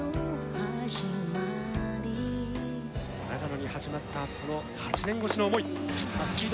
長野に始まったその８年越しの思い。